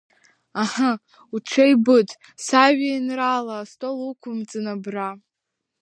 Аҳы, уҽеибыҭ, сажәеинраала, астол уқәымҵын абра!